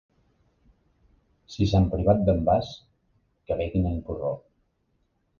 Si Sant Privat d'en Bas, que beguin en porró.